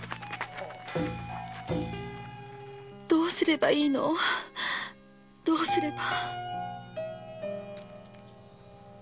どうすればいいのどうすれば